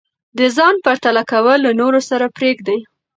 د ځان پرتله کول له نورو سره پریږدئ.